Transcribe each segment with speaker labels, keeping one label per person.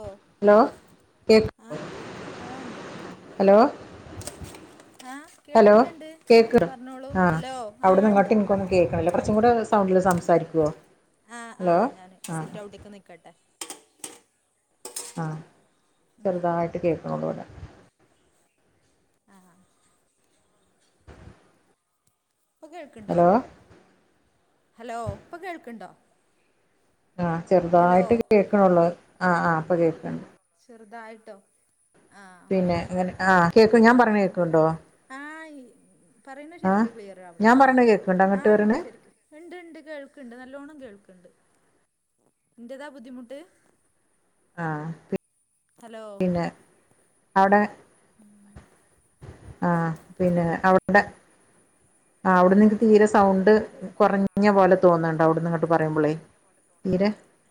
Speaker 1: ഓ
Speaker 2: hello കേക്ക്
Speaker 1: ആഹ കേൾക്ക് ആഹാ ണ്ട് കേൾക്ക് ണ്ട്
Speaker 2: ഹലോ ഹലോ
Speaker 1: കേൾക്കണണ്ട്
Speaker 2: കേക്ക്
Speaker 1: പറഞ്ഞോളൂ
Speaker 2: ആഹ്,
Speaker 1: ഹലോ ആ
Speaker 2: അവിട്ന്ന്
Speaker 1: ഉണ്ട്
Speaker 2: ഇങ്ങട്ട് ക്കൊന്നും കേക്ക്ണില്ല. കൊർച്ചും കൂടെ സൗണ്ടില് സംസാരിക്കോ?
Speaker 1: ആഹ് ആഹ് ഞാന് സിറ്റൗട്ട്ക്ക് നിക്കട്ടെ.
Speaker 2: ആഹ് ചെറുതായിട്ട് കേൾക്കണ്‌ള്ളൂ വടെ
Speaker 1: ആ
Speaker 2: [inaudible]
Speaker 1: ഇപ്പൊ കേൾക്ണ്ടോ?
Speaker 2: ഹലോ
Speaker 1: ഹലോ ഇപ്പൊ കേൾക്ണ്ടോ?
Speaker 2: ആഹ് ചെറുതായിട്ട് കേക്ക്ണ്ള്ളൂ ആ ആ ഇപ്പം കേക്ക്ണ്ട്.
Speaker 1: ചെറുതായിട്ടോ? ആ
Speaker 2: പിന്നെ അങ്ങനെ ആഹ് കേക്ക് ഞാൻ പറിണത് കേക്ക്ണ്ടോ?
Speaker 1: ആ പറയണത് ശെരിക്ക് ക്ലിയർ
Speaker 2: ഞാൻ
Speaker 1: ആവണ്ട്
Speaker 2: പറയണ കേൾക്കണ്ടോ
Speaker 1: ആ
Speaker 2: അങ്ങോട്ട്
Speaker 1: ഉണ്ട്
Speaker 2: പറയണ
Speaker 1: ശരിക്ക് ഇണ്ട് ഇണ്ട് കേൾക്കണ്ട് നല്ലോണം കേൾക്കണ്ട് ഇന്റെതാ ബുദ്ധിമുട്ട്
Speaker 2: ആഹ്
Speaker 1: ഹലോ
Speaker 2: [inaudible] പിന്നെ അവ്ടെ ആഹ് പിന്നെ അവ്ടെ ആഅവിടുന്ന് നിക്ക് തീരെ സൗണ്ട് കുറഞ്ഞ പോലെ തോന്നണിണ്ട് അവിടുന്ന്ങ്ങട്ട് പറയുമ്പോളേ തീരെ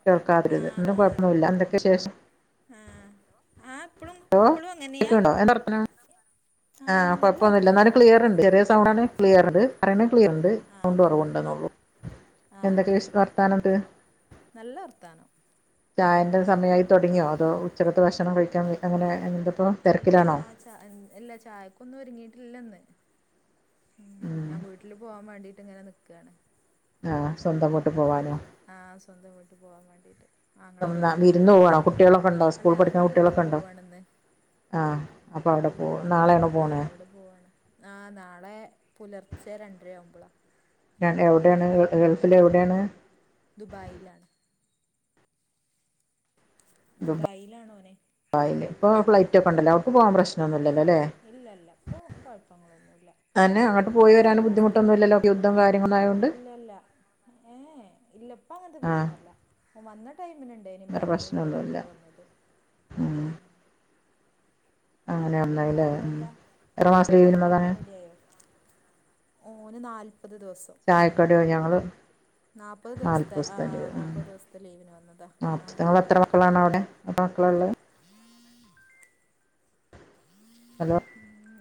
Speaker 2: കേൾക്കാ [unintelligible]
Speaker 1: ആ
Speaker 2: ഇല്ല
Speaker 1: ആ
Speaker 2: കൊഴ്പ്പൊന്നുല്ല. എന്തൊക്കെ വിശേഷം?
Speaker 1: ആ ഇപ്പളും
Speaker 2: ഹലോ
Speaker 1: ഇപ്പളും അങ്ങനെയാ?
Speaker 2: ആഹ്
Speaker 1: നല്ല
Speaker 2: കൊഴ്പ്പൊന്നുല്ല,
Speaker 1: വർത്താനം
Speaker 2: ഇന്നാലും ക്ലിയറ്ണ്ട്. ചെറിയ സൗണ്ടാണ് ക്ലിയറ്ണ്ട്. പറയണത് ക്ലിയർ ഉണ്ട്
Speaker 1: ആഹ്
Speaker 2: സൗണ്ട്
Speaker 1: ആഹ്
Speaker 2: കുറവുണ്ടെന്നള്ളു
Speaker 1: ആഹ്
Speaker 2: എന്തൊക്കെ വർത്താനം ണ്ട്?
Speaker 1: നല്ല വർത്താനം.
Speaker 2: [inaudible] ചായൻ്റെ സമയമായി തുടങ്ങിയോ? അതോ ഉച്ചലത്തെ ഭക്ഷണം കഴിക്കാൻ അങ്ങനെ എന്ത ഇപ്പോ
Speaker 1: ഇല്ലാ
Speaker 2: തിരക്കിലാണോ?
Speaker 1: ചാ ഇല്ല ചായക്കൊന്നും ഒരുങ്ങിട്ടില്ലന്ന് ഉം ഞാൻ വീട്ടിൽ പോവാൻ വേണ്ടീട്ട് ഇങ്ങനെ നിക്കാണ്
Speaker 2: ആഹ് സ്വന്തം പോവാനോ
Speaker 1: ആഹ് സ്വന്തം വീട്ട് പോവാൻ വേണ്ടീട്ട്, ആങ്ങള ഗൾഫ്
Speaker 2: വിരുന്ന് പോവാണോ
Speaker 1: പോവാണ്ന്ന്
Speaker 2: കുട്ടികളൊക്കെ ഉണ്ടോ
Speaker 1: അല്ല
Speaker 2: സ്കൂൾ പഠിക്കുന്ന
Speaker 1: ആങ്ങളെ ഗൾഫ്
Speaker 2: കുട്ടികളൊക്കെ ഉണ്ടോ
Speaker 1: പോവാണ്ന്ന്
Speaker 2: ആ അപ്പ വ്ടെ പോവും, നാളേണോ പോണെ?
Speaker 1: ആഹ് അവിടെ പോവാണ് ആഹ് നാളെ പുലർച്ചെ രണ്ടരയാവുമ്പളാ
Speaker 2: എവ്ടേണ് ഗൾഫില് എവിടേണ്?
Speaker 1: ദുബൈയിലാണ് ദുബായിലാണ് ഓന് ആഹ
Speaker 2: ഓർക്ക് പോവാൻ പ്രശ്നന്നു
Speaker 1: ആ ഇല്ല ഇല്ല ഇപ്പം കുഴപ്പങ്ങളൊന്നുമില്ല
Speaker 2: തന്നെ അങ്ങോട്ട്
Speaker 1: ടിക്കറ്റ്
Speaker 2: പോയി
Speaker 1: കുറച്ച്
Speaker 2: വരാൻ
Speaker 1: ജാസ്തി ഉണ്ട്
Speaker 2: ബുദ്ധിമുട്ടൊന്നുമില്ലല്ലോ യുദ്ധം കാര്യങ്ങളായോണ്ട്
Speaker 1: ഇല്ലല്ല ഏ ഏഹ്, ഇല്ലപ്പങ്ങൻത്തെ
Speaker 2: ആ
Speaker 1: പ്രശ്നല്ല. ഓ വന്ന ടൈമിനുണ്ടായിനി
Speaker 2: വേറെ
Speaker 1: ബാംഗ്ലൂരു
Speaker 2: പ്രശ്നമൊന്നുമില്ല
Speaker 1: വഴിയൊക്കെയാ വന്നത്
Speaker 2: ഉം.
Speaker 1: ഉ
Speaker 2: അങ്ങനെ
Speaker 1: എന്താ
Speaker 2: ഒന്നായില്ലേ ഉം.
Speaker 1: അവിടെന്താ,
Speaker 2: എത്ര മാസം ലീവിനുള്ളതാണ്
Speaker 1: ചായക്കടിയൊക്കെ റെഡി ആയോ? ഓന് നാല്പത് ദിവസം.
Speaker 2: ചായക്കടിയോ ഞങ്ങള്
Speaker 1: നാല്പത് ദിവസത്തെ
Speaker 2: നാപ്പത്
Speaker 1: ആ
Speaker 2: സത്തെ ലീവ് മ്
Speaker 1: നാല്പത് ദിവസത്തെ ലീവിന് വന്നതാ ആ
Speaker 2: നിങ്ങൾ എത്ര മക്കളാണ് അവിടെ? ത്ര മക്കളാ ള്ളെ? ഹലോ
Speaker 1: ഉ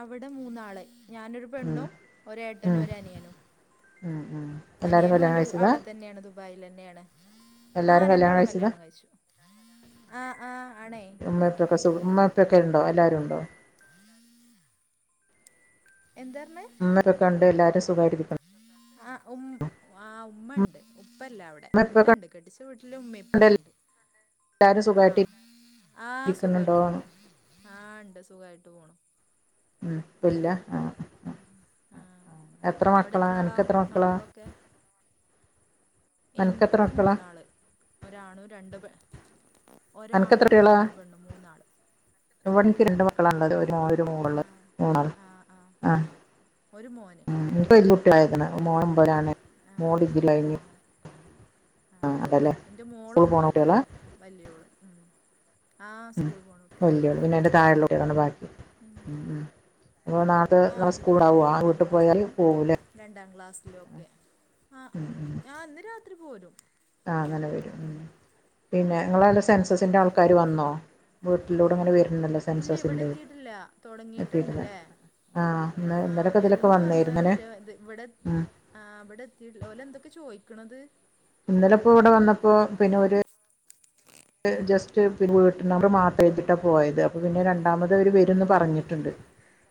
Speaker 1: അവിടെ മൂന്നാള് ഞാനൊരു
Speaker 2: ഉം.
Speaker 1: പെണ്ണും ഒരേട്ടനും
Speaker 2: ഉം.
Speaker 1: ഒര് അനിയനും
Speaker 2: ഉം. ഉം. എല്ലാവരും
Speaker 1: അനിയനും അനിയനും
Speaker 2: കല്യാണം
Speaker 1: ഓന്റെ
Speaker 2: കഴിച്ചതാ
Speaker 1: അവിടെ തന്നെയാണ് ബായിൽന്നെയാണ്. ആ
Speaker 2: എല്ലാവരും
Speaker 1: രണ്ടാളും
Speaker 2: കഴിച്ചതാ
Speaker 1: കല്യാണം കഴിച്ചു ആ ആ ആണേ
Speaker 2: [unintelligible] ഇപ്പൊക്കെ ഇണ്ടോ, എല്ലാരുണ്ടോ?
Speaker 1: എന്താർഞ്ഞേ?
Speaker 2: [unintelligible] കണ്ട് എല്ലാരും സുഖായിട്ടിരിക്കു
Speaker 1: ആഹ് ഉമ് ആഹ് ഉമ്മ ഉണ്ട് ഉപ്പല്ല അവിടെ
Speaker 2: അമ്മ ഇപ്പൊക്കെ
Speaker 1: ഇവിടെണ്ട് കെട്ടിച്ച വീട്ടില് ഉമ്മ ഇപ്പൊക്കെ ഉണ്ട്
Speaker 2: എല്ലാരും സുഖമായിട്ട്
Speaker 1: ആഹ് ആഹ്
Speaker 2: ഇരിക്കുന്നുണ്ടോ
Speaker 1: സുഖായിട്ട് പോണു
Speaker 2: ഉം
Speaker 1: ആഹ് ഉണ്ട് സുഖായിട്ട് പോണു
Speaker 2: ഉം പല്ല ആഹ്
Speaker 1: ആഹ് അവിടെ
Speaker 2: മക്കളാ
Speaker 1: എത്ര ആളാ
Speaker 2: അനക്ക് മക്കളാ
Speaker 1: മക്കളൊക്കെ
Speaker 2: അനക്ക് എത്ര
Speaker 1: ഇൻക്ക്
Speaker 2: മക്കളാ
Speaker 1: മൂന്നാള് ഒരാണു രണ്ട് പെ
Speaker 2: അനക്ക്
Speaker 1: ഒരാണും രണ്ട് പെണ്ണും മൂന്നാൾ
Speaker 2: ഇവടെ എനിക്ക് രണ്ടു മക്കളള്ളത്
Speaker 1: ആഹ് ആഹ് ആഹ് ഒരു മോന് രണ്ട് പെണ്ണ് ആഹ്
Speaker 2: [unintelligible]
Speaker 1: ആഹ്
Speaker 2: [unintelligible]
Speaker 1: ആഹ് ന്റെ
Speaker 2: സ്കൂൾ പോണ
Speaker 1: മോളൊമ്പയ്ലാ
Speaker 2: കുട്ടികളാ
Speaker 1: വല്യോള് ഉം ആഹ്
Speaker 2: ഉം
Speaker 1: സ്കൂൾ പോണ കുട്ടിളാ
Speaker 2: പിന്നെ വലിയോള് അതിന്റെ താഴെ ഉള്ള ആണ് ബാക്കി ഉം ഉം അപ്പൊ നാൾതെ നമ
Speaker 1: ആഹ് എന്റെ
Speaker 2: സ്കൂൾ ആഓ
Speaker 1: താഴെ ആറാം
Speaker 2: വീട്ടിൽ പോയാൽ
Speaker 1: ക്ലാസ്സിലും
Speaker 2: പോവൂലേ
Speaker 1: രണ്ടാം ക്ലാസ്സിലൊക്കെ ആഹ് ഞാൻ ന്ന് രാത്രി പോരും
Speaker 2: ആഹ് അങ്ങനെ വരും പിന്നെ നിങ്ങളെ അവടെ സെൻസസിന്റെ
Speaker 1: ആഹ്
Speaker 2: ആൾക്കാര് വന്നോ വീട്ടിലൂടെ അങ്ങനെ വരുന്നല്ലോ
Speaker 1: ഇല്ല ഇവിടെ
Speaker 2: സെൻസസിൻ്റെ
Speaker 1: എത്തിട്ടില്ല
Speaker 2: എത്തിയിരുന്ന്
Speaker 1: തുടങ്ങിട്ടുണ്ട്‌ല്ലേ
Speaker 2: ആഹ്
Speaker 1: ആഹ്
Speaker 2: ഇന്നലൊക്കെ ഇതിലൊക്കെ
Speaker 1: വരുംന്ന് പർഞ്
Speaker 2: വന്നായിരുന്നല്ലേ
Speaker 1: പക്ഷെ ഇത് ഇവിടെ
Speaker 2: ഉം
Speaker 1: ആഹ് വെടെ എത്തിട്‌ല ഓലെ എന്തൊക്കെ ചോയ്ക്കണത്
Speaker 2: ഇന്നലെ ഇപ്പോ ഇവിടെ വന്നപ്പോ പിന്നെ ഒരു ജസ്റ്റ്‌ വീട്ടിൽ നമ്മൾ മാട്ട് എഴ്തിട്ടാണ് പോയത് അപ്പൾ പിന്നെ രണ്ടാമത് അവർ വരും ന്ന് പറഞ്ഞിട്ടുണ്ട്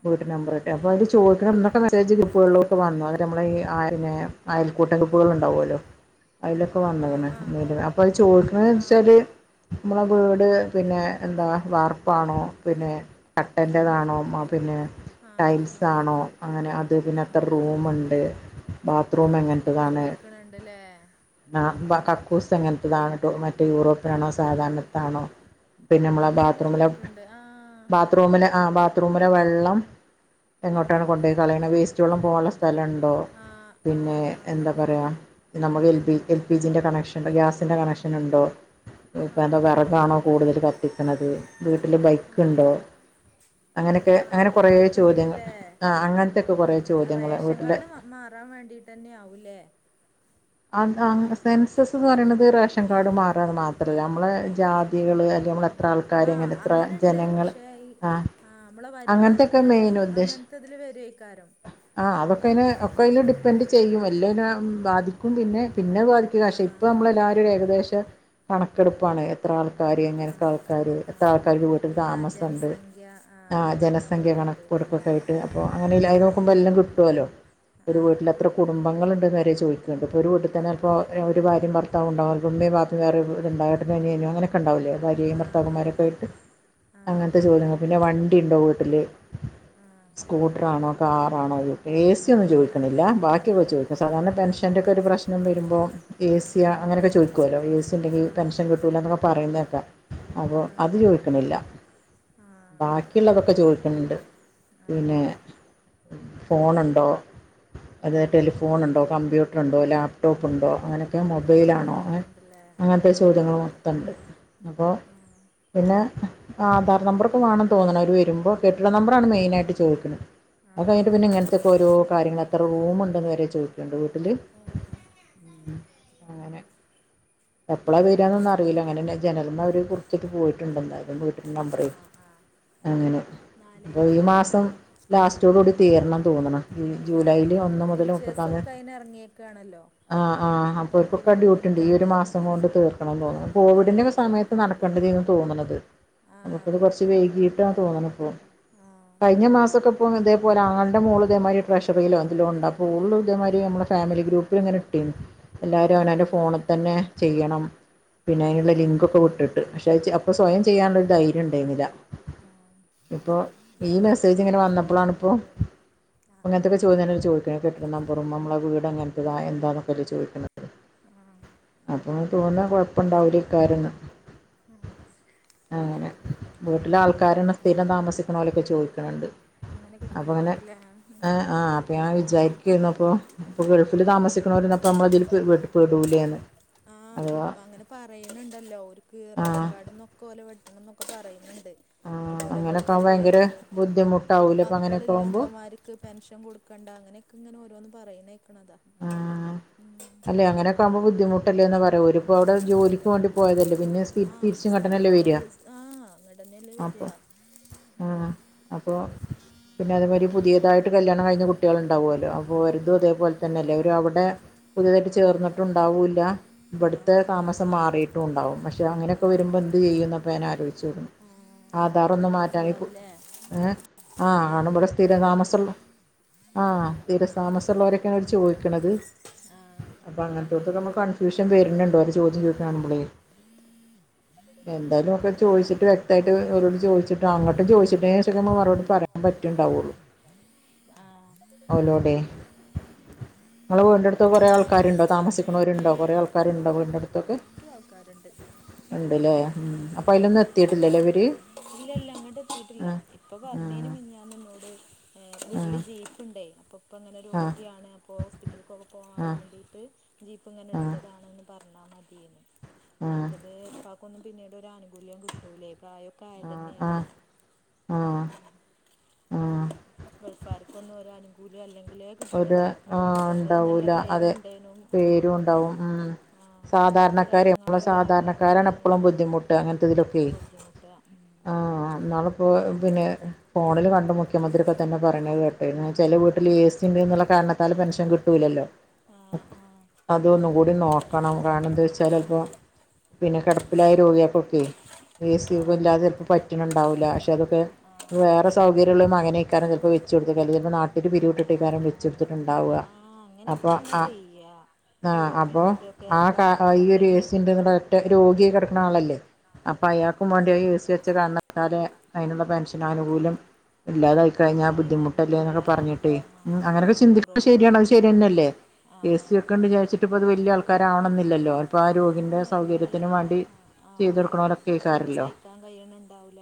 Speaker 2: പോയിട്ട് നമ്പർട്ട അപ്പൊ അത്
Speaker 1: ഏഹ്
Speaker 2: ചോയ്ക്ണന്നാ ഇപ്പൊ മെസ്സേജ് ഗ്രപ്പുകളിലൊക്കെ വന്നു അന്നെര നമ്മളെ ഈ ആര്ന്നെ അയൽക്കൂട്ട ഗ്രൂപ്പുകൾ ഉണ്ടാവുല്ലോ അയ്ലൊക്കെ
Speaker 1: ആഹ്
Speaker 2: വന്ന്ക്ണ്
Speaker 1: ആഹ്
Speaker 2: അപ്പത് ചോദിക്കണന്ന്
Speaker 1: ആഹ്
Speaker 2: വെച്ചാല് നമ്മള വീട് പിന്നെ എന്താ വർപ്പാണോ പിന്നെ കട്ടന്റെതാണോ മാ പിന്നെ
Speaker 1: ആഹ്
Speaker 2: ടൈൽസ്
Speaker 1: ആഹ്
Speaker 2: ആണോ
Speaker 1: ആഹ്
Speaker 2: അങ്ങനെ അത് പിന്നത്ര
Speaker 1: ആഹ്
Speaker 2: റൂം ഉണ്ട്
Speaker 1: ആഹ് അങ്ങനെക്കെ ചോയ്ക്ണ് ണ്ട്ല്ലേ
Speaker 2: ന്നാ പ
Speaker 1: ആഹ്
Speaker 2: കക്കൂസ് എങ്ങൻത്തെതാണ്ട്ടൊ മറ്റേ യൂറോപ്പ്യിനാണോ
Speaker 1: ആഹ്
Speaker 2: സാധാരണത്താണോ പിന്നെ മ്മളെ
Speaker 1: അങ്ങനെയൊക്കെ
Speaker 2: ബാത്റൂമില
Speaker 1: ചോയിക്ക്ണ്ട് ആഹ്
Speaker 2: ബാത് ത് റൂമിന് ആഹ് ബാത് റൂമിലെ വെള്ളം എങ്ങോട്ടാണ്
Speaker 1: ആഹ്
Speaker 2: കൊണ്ടയി കളയുന്നത് വേസ്റ്റ് വെള്ളം പോകാൻള്ള സ്ഥലണ് ട്ടൊ
Speaker 1: ആഹ്
Speaker 2: പിന്നെ
Speaker 1: ആഹ് ആഹ്
Speaker 2: എന്താ പറയാ നമുക്ക് എൽ പി എൽ പി ജിൻ്റെ കണക്ഷൻ ഗ്യാസിൻ്റെ കണക്ഷൻ ഉണ്ടോ ഇപ്പൊ എന്താ
Speaker 1: ആഹ്
Speaker 2: വിറകാണോ കൂടുതൽ കത്തിക്ണത് വീട്ടില്
Speaker 1: ആഹ്
Speaker 2: ബൈക്ണ്ടോ
Speaker 1: ആഹ്
Speaker 2: അങ്ങനെയൊക്കെ
Speaker 1: ആഹ്
Speaker 2: അങ്ങനെ
Speaker 1: അതൊക്കെ
Speaker 2: കൊറേ
Speaker 1: ചോയിക്ക്ണ്
Speaker 2: ചോദ്യങ്ങൾ
Speaker 1: ണ്ട്ല്ലേ
Speaker 2: ആഹ് അങ്ങൻത്തെക്കെ കുറെ ചോദ്യങ്ങള് വീട്ടിന്റെ
Speaker 1: മ്മ അറ്യാൻ വേണ്ടിയിട്ട് തന്നെ ആവുല്ലേ
Speaker 2: അഎന്താണ് സെൻസസ്ന്ന് പറയുന്നത് റേഷൻ കാർഡ് മാറാത് മാത്രല്ല നമ്മളെ ജാതികള് അല്ലെ നമ്മളെ എത്ര ആൾക്കാര്
Speaker 1: ആഹ്
Speaker 2: ഇങ്ങനെ എത്ര
Speaker 1: അങ്ങനെണ്ട്
Speaker 2: ജനങ്ങൾ
Speaker 1: പക്ഷേ ഈ
Speaker 2: ആഹ്
Speaker 1: നമ്മളെ
Speaker 2: അങ്ങൻത്തൊക്കെ
Speaker 1: വരുമാനൊക്കെ
Speaker 2: മെയിൻ ഉദ്ദേഷ്
Speaker 1: അങ്ങനത്തെ ഇതില് വരേക്കാരം
Speaker 2: ആഹ് അതൊക്കെ അയ്ന്
Speaker 1: ഉം
Speaker 2: ഒക്കെ അയ്ല് ഡിപ്പെൻഡ് ചെയ്യും എല്ലേ നാം ബാധിക്കും പിന്നെ പിന്നെഹ് ബാധിക്കല പക്ഷെ ഇപ്പ
Speaker 1: ആഹ്
Speaker 2: നമ്മളെല്ലാവരുും ഏകദേശം കണക്കെടുപ്പാണ് എത്ര ആൾക്കാര് എങ്ങനൊക്ക
Speaker 1: ആഹ് ആഹ്
Speaker 2: ആൾക്കാാര് എത്ര
Speaker 1: ആഹ്
Speaker 2: ആൾക്കാർക്ക് വീട്ടിൽ
Speaker 1: ആഹ് ആഹ്
Speaker 2: താമസണ്ട്
Speaker 1: ജനസംഖ്യ
Speaker 2: ആഹ്
Speaker 1: അങ്ങനെയൊക്കെ
Speaker 2: ജനസംഖ്യ
Speaker 1: അറിയാൻ
Speaker 2: കണക് കൊടുക്ക
Speaker 1: വേണ്ടിട്ടല്ലേ
Speaker 2: ആയിട്ട് അപ്പൊ അങ്ങനെ ഇല്ലതെ
Speaker 1: ആഹ്
Speaker 2: നോക്കുമ്പോ എല്ലാം
Speaker 1: ആഹ്
Speaker 2: കിട്ടുവെ ല്ലോ ഒരു
Speaker 1: ആഹ്
Speaker 2: വീട്ടിലെത്ര കുടുംബങ്ങളുണ്ടെന്ന് വരെ ചോയ്ക് തെന്തപ്പൊരു വീട്ടിൽ തന്നെ എൽപ്പോ
Speaker 1: ആഹ്
Speaker 2: ഒരു ബാര്യം ഭർത്താവു ണ്ടാവു ൽപോ ഉമ്മയും ബാപ്പയും വേറെ [unintelligible] അങ്ങനെ ഒക്കെ ഉണ്ടാവില്ലേ ഭാര്യയും
Speaker 1: ആഹ്
Speaker 2: ഭർത്താക്കന്മാരൊക്കെ
Speaker 1: ആഹ്
Speaker 2: ആയിട്ട്
Speaker 1: ആഹ് ആഹ്
Speaker 2: അങ്ങൻത്തെ
Speaker 1: ആഹ്
Speaker 2: ചോദ്യങ്ങൾ പിന്നെ വണ്ടി ഉണ്ടോ വീട്ടിൽ
Speaker 1: ആഹ്
Speaker 2: സ്കൂട്ടർണോ കാറാണോ ഹ് എ സി ഒന്നും
Speaker 1: ആഹ് ആഹ്
Speaker 2: ചോയ്ക്ണില്ല ബാക്കിയൊക്കെ ചോയ്ക്ക സാധാരണ
Speaker 1: അങ്ങനെയൊക്കെയാണല്ലേ
Speaker 2: പെൻഷ എന്റെ ഒക്കെ ഒരു പ്രശ്നം വരുമ്പോ എ സിയ
Speaker 1: ഉം
Speaker 2: അങ്ങനൊക്കെ
Speaker 1: ഉം
Speaker 2: ചോദുമല്ലോ എ സി ഉണ്ടെങ്കിൽ
Speaker 1: ആഹ്
Speaker 2: പെൻഷൻ
Speaker 1: ആഹ്
Speaker 2: കിട്ടല എന്നൊക്കെ പറയുന്നക്കെ അപ്പോ
Speaker 1: ആഹ്
Speaker 2: അത് ചോയ്ക്
Speaker 1: ആഹ്
Speaker 2: [unintelligible]
Speaker 1: ആഹ്
Speaker 2: ബാക്കിയുള്ളതക്കെ ചോദിക്ക
Speaker 1: ആഹ്
Speaker 2: പിന്നെ
Speaker 1: ആഹ്
Speaker 2: ഫോണുണ്ടോ അതൊ
Speaker 1: ആഹ്
Speaker 2: ടെലിഫോണ് ഉണ്ടോ കമ്പ്യൂട്ട ഫോൺ ഉണ്ടോ ലാപ്ടോപ്പൂണ്ടോ അങ്ങനെയൊക്കെ
Speaker 1: അതൊക്കെ
Speaker 2: മൊബൈലാണോ
Speaker 1: ചോയിക്കണ്ടല്ലേ
Speaker 2: അങ്ങനത്തെ ചോദ്യങ്ങൾ
Speaker 1: ആഹ്
Speaker 2: ഇതൊണ്ട് അപ്പോൾ
Speaker 1: ആഹ്
Speaker 2: പിന്നെ ആധാർ നമ്പർ ഒക്കെ വേണം തോന്നണം അവര് വരുമ്പോ കെട്ടിട നമ്പറാണ് മെയിനായിട്ട് ചോദിക്കുന്നത് അത്
Speaker 1: ആഹ്
Speaker 2: കഴിഞ്ഞട്ട് പിന്നെ
Speaker 1: ആഹ്
Speaker 2: ഇങ്ങനത്തെക്കെ ഓരോ കാര്യങ്ങളൊക്കെ എത്ര റൂം ഉണ്ടെന്ന് വരെ ചോദിക്കണുണ്ട് വീട്ടില്
Speaker 1: ആഹ്
Speaker 2: അങ്ങനെ എപ്പളാ വരുകാന്ന് അറിയില്ല അങ്ങനെന്നെ ജനന്മാ അവര് കുറട്ട് പോയിട്ടുണ്ട് എന്തായാലും വീട്ടി നമ്പർ
Speaker 1: ആഹ് ആഹ്
Speaker 2: അങ്ങനെ
Speaker 1: നാല്
Speaker 2: അപ്പൊ ഈ
Speaker 1: ഏഴ്
Speaker 2: മാസം ലാസ്റ്റോട കൂടി തീരണം എന്ന് തോന്നുന്നു
Speaker 1: ആഹ് ആഹ് ടീച്ചേഴ്സ ഒക്കെ അയിന് ഇറങ്ങിയക്കയാണല്ലോ
Speaker 2: ആഹ് ആഹ് അപ്പോ ഇപ്പൊക്കെ ഡ്യൂട്ടി ഉണ്ട് ഈ ഒരു മാസം കൊണ്ട് തീർക്കണം തോന്നുന്നു കോവിഡിന്റെ
Speaker 1: ആഹ്
Speaker 2: യൊക്കെസമയത്ത്
Speaker 1: തീർക്കണം
Speaker 2: നടക്കേണ്ടതന് തോന്നണത് അത്
Speaker 1: ആഹ്
Speaker 2: കുറച്ച്
Speaker 1: ആഹ്
Speaker 2: വൈകിട്ടാണെ തോന്നണപ്പൊ കഴിഞ്ഞ മാസക്കെ ഇപ്പം ഇതേപലെ ആളുടെമോള് ഇതേ മതിരി ട്രഷറിയിലോ എതിലും ഉണ്ട് അപ്പോ ഒള്ള് ഇതേ മാതിരി നമ്മ ഫാമിക്ക് ഗ്രൂപ്പിൽ ഇങ്ങനെ കിട്ടീ എല്ലാരും അവനവന്റെ
Speaker 1: ആഹ്
Speaker 2: ഫോണിൽ തന്നെ ചെയ്യണം പിന്നെ
Speaker 1: ആഹ്
Speaker 2: അതിനുള്ള
Speaker 1: ആഹ്
Speaker 2: ലിങ്ക് ഒക്കെ വിട്ടിട്ട് പക്ഷെ അപ്പോ സ്വയം
Speaker 1: ആഹ്
Speaker 2: ചെയ്യാനുള്ളൊരു ധൈര്യം ഉണ്ടായിരുന്നില്ല
Speaker 1: ആഹ്
Speaker 2: ഇപ്പോ ഈ മെസ്സേജ് ഇങ്ങനെ വന്നപ്പോളാണ് അപ്പോൾ
Speaker 1: ആഹ്
Speaker 2: അങ്ങനത്തൊക്കെ ചോദ്യങ്ങൾ ഒക്കെ ചോദിക്കണക്കെ കെട്ടിട നമ്പറും നമ്മളെ വീട്ങ്ങനെ എന്താന്നൊക്ക ചോദിക്കുന്നത്
Speaker 1: ആഹ് ആഹ്
Speaker 2: അപ്പൊ തോന്നാ കൊഴപ്പുണ്ടാവില്ലക്കാരന്ന് ആഹ് അങ്ങനെ
Speaker 1: ഉം
Speaker 2: വീട്ടിലെ
Speaker 1: ഉം
Speaker 2: ആൾക്കാരണസ്ഥിരം താമസിക്കണലൊക്കെ ചോദിക്കണണ്ട്
Speaker 1: അങ്ങനെയൊക്കെ
Speaker 2: അപ്പൊ അങ്ങനെ
Speaker 1: ചോയിക്ക്ണ്ട്ല്ലേ ഉം
Speaker 2: ആഹ് ആഹ് അപ്പൊ ഞാൻ വിചാരിക്കായിരുന്നു അപ്പൊ ഇപ്പൊ ഗൾഫിൽ താമസിക്കണരപ്പോ നമ്മളതിൽ പടൂലേന്ന്
Speaker 1: ആഹ് പട അങ്ങനെ പറയണണ്ടല്ലോ ഓരുക്ക്
Speaker 2: ആ
Speaker 1: റേഷൻ കാർഡ്ന്നൊക്ക കോല് വെട്ടണം എന്നൊക്കെ പറയുന്നുണ്ട്
Speaker 2: ആ
Speaker 1: അതുപോലെ
Speaker 2: അങ്ങനെയൊക്കെ ആകുമ്പോൾ
Speaker 1: ഗൾഫില്
Speaker 2: ഭയങ്കര ബുദ്ധിമുട്ടാവില്ലേ അപ്പം അങ്ങനെയൊക്കെ
Speaker 1: മക്കളുള്ള
Speaker 2: ആകുമ്പോൾ
Speaker 1: ഉമ്മമാർ പെൻഷൻ കൊടുക്കണ്ട അങ്ങനെയൊക്കെ ഇങ്ങനെ ഓരോന്ന് പറയുന്ന കേക്കണതാ
Speaker 2: അല്ലെ അങ്ങനെക്കെ ആകുമ്പോ ബുധമുട്ടല്ലേ പറ ഓര് ഇപ്പോ അവിടെ ജോലിക്ക് വേണ്ടി പോയതല്ലേ പിന്നെ
Speaker 1: ആഹ്
Speaker 2: തിരിച്ചും ഇങ്ങട്ടണല്ലേ
Speaker 1: സ്ഥിരം അവിടെ
Speaker 2: വരിക
Speaker 1: ആഹ്
Speaker 2: അപ്പോൾ
Speaker 1: [inaudible]
Speaker 2: ആഹ് അപ്പോ പിന്നെ അതുമാതിരി പുതിയതായിട്ട് കല്യാണം കഴിഞ്ഞഞ് കുട്ടികൾ ഉണ്ടാവുമല്ലോ അപ്പോൾ
Speaker 1: ആഹ്
Speaker 2: ഒരുരിതും അതേപോലെ തന്നെയല്ലേ അവര് അവിടെ പുതിയതായിട്ട് ചേർന്നിട്ടുണ്ടാവൂല്ല ഇവിടുത്തെ
Speaker 1: ആഹ്
Speaker 2: താസം മാറിയിട്ടും ഉണ്ടാവും പക്ഷെ അങ്ങനെയൊക്കെ
Speaker 1: ആഹ്
Speaker 2: വരുമ്പോ എന്തു ചെയ്യും എന്നപ്പോ ഞൻ ആലോചിച്ചു
Speaker 1: ആഹ് ആള്
Speaker 2: ആധാറന്ന് മാറ്റാൻപ്പോ
Speaker 1: ഗൾഫിലാവൂലേ
Speaker 2: ഏഹ് ആ ആണ്
Speaker 1: ആള് ഗൾ
Speaker 2: ഇവിടെ
Speaker 1: ആഹ്
Speaker 2: സ്ഥിരതാമസമുള്ള ആ
Speaker 1: ആഹ്
Speaker 2: തിരതാമസമുള്ളവരൊക്കെയാണ് അങ്ങനെ ചോദിക്കണത്
Speaker 1: ആഹ്
Speaker 2: അപ്പൊ അങ്ങനത്തെത്തൊക്കെ നമ്മക്ക് കൺഫ്യൂഷൻ വരണുണ്ടേ അവര് ചോദ്യം ചോദിക്കുമ്പള എന്തായാലുംക്കെ ചോദിച്ചിട്ട് വ്യക്തമായിട്ട് ചോദിച്ചിട്ട അങ്ങോട്ടും ചോച്ചട്ടന് ശേഷക്കെ നക്ക് മറുപടി പറയാൻ പറ്റണ്ടാവുള്ളൂ [inaudible]
Speaker 1: ആഹ് [unintelligible]
Speaker 2: നമ്മൾ വീണ്ടടുത്ത് കുറെ
Speaker 1: ഓലന്നെ
Speaker 2: ആൾക്കാരുണ്ടോ താമസിക്കുന്നവരുണ്ടോ കുറേ ആൾക്കരുണ്ടോ വീടിൻ്റെ അടുത്തൊക്കെ
Speaker 1: [unintelligible] ഒഴിവാക്കാറുണ്ട്
Speaker 2: ഉണ്ട്ല്ലേ ഉം അപ്പൊ അതിലൊന്നും എത്തിയിട്ടില്ലല്ലേ ഇവര്
Speaker 1: ഇല്ല ഇല്ല അങ്ങോട്ട് എത്തീട്ടില്ല
Speaker 2: ആ
Speaker 1: ഇപ്പൊ പറഞ്ഞേന്
Speaker 2: ആ
Speaker 1: മിന്നാന്ന്ന്നോട് വീട്ടില്
Speaker 2: ആ
Speaker 1: ജീപ്പുണ്ടേ അപ്പൊ ഇപ്പ അങ്ങനെ രോഗിയാണ് അപ്പോ ഹോസ്പിറ്റലക്കൊക്കെ പോകാൻ
Speaker 2: ആ
Speaker 1: വേണ്ടിയിട്ട് ജീപ്പ് ഇങ്ങനെ
Speaker 2: ആ ആ
Speaker 1: എടുത്തതാണെന്ന് പറഞ്ഞാൽ മതിയെന്ന്
Speaker 2: ആ
Speaker 1: മറ്റേത് എപ്പക്ക് ഒന്നും പിന്നീട് ഒരു ആനുകൂല്യം കിട്ടൂലേ പ്രായ അതെന്നെ
Speaker 2: ആ ആ
Speaker 1: ആണ്
Speaker 2: ആ ആ
Speaker 1: ഉം [unintelligible] കൂല അല്ലെങ്കിലെ
Speaker 2: ഒരു ആഹ് ഉണ്ടാവൂല അതെ
Speaker 1: ഉണ്ടേനും ആ
Speaker 2: പേരും ഉണ്ടാവും ഉം
Speaker 1: ആ അവർക്ക്
Speaker 2: സാധാരണക്കാര്
Speaker 1: റേഷൻ
Speaker 2: എപ്പളും
Speaker 1: കാർഡും ഇല്ല ആധാറും ഇല്ല
Speaker 2: സാധാരണക്കാരാണ് എപ്പളും
Speaker 1: എന്നുള്ള
Speaker 2: ബുദ്ധിമുട്ട് അങ്ങനത്തെതിലൊക്കെ.
Speaker 1: ബുദ്ധിമുട്ടാ ഉം
Speaker 2: ആഹ നാളിപ്പോ പിന്നെ ഫോണിൽ കണ്ട് മുഖ്യമന്ത്രിഒക്കെ തന്നെ പറയ്ണത് കേ- പിന്നെ ചില വീട്ടിൽ എസി ണ്ട്ന്നുള്ള കാരണത്താൽ പെൻഷൻ കിട്ടൂലല്ലോ?
Speaker 1: ആ അഹ
Speaker 2: അതൊന്നുകൂടി നോക്കണം കാരണം
Speaker 1: ആ
Speaker 2: എന്തോയ്ച്ചാലെൽപ്പോ
Speaker 1: ആ
Speaker 2: പിന്നെ കിടപ്പിലായ രോഗ്യാക്കൊക്കെ
Speaker 1: ആ
Speaker 2: എസി
Speaker 1: ആ
Speaker 2: യൊന്നുല്ലാതെ ചിലപ്പോ പറ്റുണണ്ടാവൂല്ല. പക്ഷെ അതൊക്കെ
Speaker 1: ആ
Speaker 2: വേറെ സൗകര്യള്ളരു മകനെക്കാരം ചിലപ്പോ വെച്ചു കൊടുത്തുക്ക എല്ലിപോ നട്ടില്
Speaker 1: ആ
Speaker 2: പിരിവിട്ട്- ട്ടേക്കാരം
Speaker 1: ആ
Speaker 2: വെച്ചൊട്ത്ത്ട്ട്ണ്ടാവ
Speaker 1: ആ അങ്ങനെയൊക്കെ
Speaker 2: അപ്പൊ
Speaker 1: തന്നെ
Speaker 2: അ
Speaker 1: ചെയ്യാ
Speaker 2: ആ അപ്പൊ
Speaker 1: യൂറോപ്യൻ്റെ ഒക്കെ
Speaker 2: ആ ട്ട ഈ
Speaker 1: ബാത്റൂമൊക്കെ
Speaker 2: ഒരു
Speaker 1: എൻ്റെ
Speaker 2: എസിണ്ട്ന്ന്ള്ള- ട്ട് രോഗി ആയികിടക്കണ ആളല്ലേ, അപ്പൊ
Speaker 1: ആ
Speaker 2: അയാക്കും വാണ്ടി അഎസി ച്ചകാരണം- ല്ലാതെ അയിനുള്ള
Speaker 1: ആ
Speaker 2: പെൻഷനാനുകൂല്യം ഇല്ലാതായി കഴിഞ്ഞാൻ
Speaker 1: പോയിന്ന് പറഞ്ഞിട്ടല്ലേ
Speaker 2: ബുദ്ധിമുട്ടല്ലേന്നൊക്കെ പറഞ്ഞിട്ടേയ്
Speaker 1: ആ
Speaker 2: ഉം അങ്ങനൊക്കെ
Speaker 1: ഈ
Speaker 2: ചിന്തിക്കുന്നത്
Speaker 1: യൂറോപ്പ്
Speaker 2: ശരിയാണ് അത് ശരിയന്നെയല്ലേ?
Speaker 1: ആ
Speaker 2: എസ് സി വെക്കണ്ട് വിചാച്ചിട്ട് പ്പൊ അത് വല്യ ആൾ- ക്കാരാവണെന്നില്ലല്ലോ അപ്പൊ ആ രോഗീന്റെ
Speaker 1: ഇല്ലേ
Speaker 2: സൗകര്യത്തിന് വാണ്ടി ചെയ്തൊടുക്കണോലൊക്കെക്കാരല്ലോ
Speaker 1: ക്കാൻ കയണ് ണ്ടാവൂല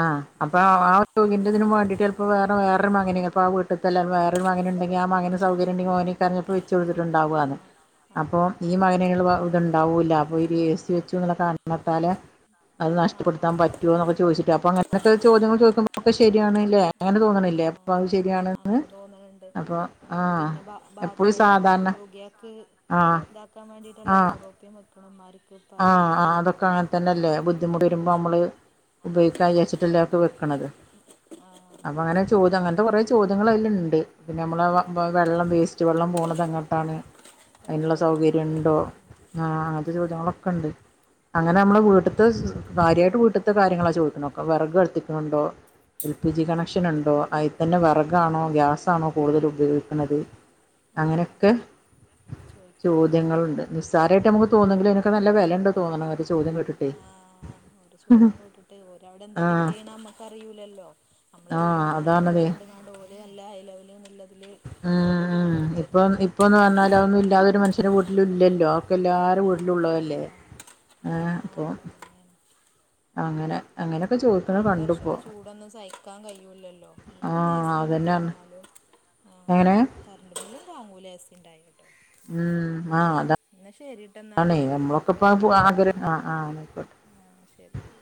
Speaker 2: ആഹ് അപ്പൊ ആ രോഗിന്റെതിന് വേണ്ടിട്ട് ചിലപ്പോ വേറെ വേറൊരു മകനെ അപ്പൊ ആഹ് വീ അടുത്തല്ല വേറൊരു മകനുണ്ടെങ്കി ആഹ് മകന് സൗകര്യം ഉണ്ടെങ്കി ഓന് കറിയൊക്കെ വെച്ച്
Speaker 1: ആ
Speaker 2: കൊടുത്തിട്ടുണ്ടാവാന്ന്
Speaker 1: ആ
Speaker 2: അപ്പൊ ഈ മകനേള്ളൂ ത്ണ്ടാവൂല്ല അപ്പൊ എസി വെച്ചുന്ന്ള്ള കാരണത്താലെ അത്
Speaker 1: ആ
Speaker 2: നഷ്ടപ്പെടുത്താൻ
Speaker 1: ആ
Speaker 2: പറ്റോന്നൊക്കെ ചോയിച്ചിട്ട് അപ്പൊ അങ്ങതൊക്കെ ചോദ്യങ്ങള് ചോയിക്കുമ്പോ ക്കെ ശരിയാണ്ല്ലേ. ഒന് തോന്നണില്ലേ
Speaker 1: ആഹ്
Speaker 2: അപ്പൊ അത്
Speaker 1: ആഹ്
Speaker 2: ശരിയാണ്. ഏഹ്
Speaker 1: അങ്ങനെ തോന്നണുണ്ട്
Speaker 2: അപ്പോൾ ആ
Speaker 1: ഉം പിന്നെ ബാ
Speaker 2: എപ്പോലും
Speaker 1: ബാത്റൂമോ
Speaker 2: സാധാരണ ആ
Speaker 1: ക്കാൻ വേണ്ടിയിട്ടല്ലേ? യൂറോപ്യൻ വെക്ക്ണമ്മാര്
Speaker 2: ആഹ് ആഹ് അതൊക്കെ അങ്ങനെ തന്നെല്ലേ ബുദ്ധിമുട്ട് വരുമ്പോ നമ്മള്
Speaker 1: ആഹ്
Speaker 2: ഉപയോഗിക്കാ വിചാരിച്ചിട്ടല്ലേ അതൊക്കെ വെക്കണത്
Speaker 1: ആഹ്
Speaker 2: അപ്പം അങ്ങനെ ചോദ്യം അങ്ങനത്തെ കുറേ ചോദ്യങ്ങൾ അതില്ണ്ട് പിന്നെ നമ്മളവ പ്പൊ
Speaker 1: ആഹ്
Speaker 2: വെള്ളം വേസ്റ്റ് വെള്ളം പോണതെങ്ങോട്ടാണ്
Speaker 1: അത്
Speaker 2: അതിനുള്ള സൗകര്യം
Speaker 1: ചോദിക്കണ്ടല്ലേ
Speaker 2: ഉണ്ടോ
Speaker 1: ആഹ്
Speaker 2: ആഹ് അങ്ങനത്തെ
Speaker 1: ആഹ്
Speaker 2: ചോദ്യങ്ങളൊക്കെണ്ട് അങ്ങനെ നമ്മളെ
Speaker 1: ആഹ്
Speaker 2: വീട്ട്ത്തെ കാര്യായിട്ട് വീട്ട്ത്തെ കാര്യങ്ങളാ ചോദിക്ക്ണ വേറക് കത്തിക്കണ് ഉണ്ടോ എൽ പി ജി
Speaker 1: ആഹ്
Speaker 2: കണക്ഷനുണ്ടോ അതിൽ തന്നെ വിറക് ആണോ
Speaker 1: ആഹ്
Speaker 2: ഗ്യാസാണോ കൂടുതൽ ഉപയോഗിക്കുന്നത്
Speaker 1: ആഹ്
Speaker 2: അങ്ങനെക്കെ
Speaker 1: ചോദിക്കണുണ്ട്
Speaker 2: ചോദ്യങ്ങളുണ്ട് നിസ്സാരായിട്ട് മ്മക്ക്
Speaker 1: ഉം
Speaker 2: തോന്നെങ്കില്
Speaker 1: ആഹ് ഒരു ചോദ്യം കേട്ടിട്ട് ഓര്‌ അവിടെ എന്താ
Speaker 2: ആ
Speaker 1: ടിക്ക് ചെയ്യണമ്മ അറിയൂല്ലല്ലോ മ്മളെ
Speaker 2: ആ
Speaker 1: വീടും കാര്യങ്ങളൊക്കെ
Speaker 2: അതാണതേ
Speaker 1: കണ്ട്ങ്ങാണ്ട് ഓല് നല്ല ഹൈ ലെവല്ന്ന്ള്ള-
Speaker 2: ഉം ഇപ്പം ഇപ്പൊന്ന് പറഞ്ഞാൽ അതൊന്നുല്ലാതൊരു മനുഷ്യ വീട്ടിലുല്ലല്ലോ അതൊക്കെ എല്ലാരെ
Speaker 1: ആ ആ
Speaker 2: വീട്ടിലുള്ളതല്ലേ
Speaker 1: ആ
Speaker 2: ഏഹ് അപ്പോ
Speaker 1: നല്ലത് തന്നെയാണ്
Speaker 2: അങ്ങനെ അങ്ങനൊക്കെ ചോ
Speaker 1: കഴിഞ്ഞ വർഷത്തെ ചൂടൊന്നും സഹിക്കാൻ കഴിയൂല്ലല്ലോ ഇവിടെ പിന്നെ എസി ഒന്നുല്ല എന്നാലും ആ
Speaker 2: എങ്ങനേ
Speaker 1: കറണ്ട് ബില്ലു താങ്ങൂല എസി ഇണ്ടായൊണ്ട്
Speaker 2: ഉം ആഹ് അതാ
Speaker 1: എന്നാ ശരി എന്നാൽ
Speaker 2: ആണേ മ്മളൊക്കെ ഇപ്പ പൂ ആഗ്രഹം ആഹ് ആഹ് ആയിക്കോട്ടെ
Speaker 1: ആഹ് ശരി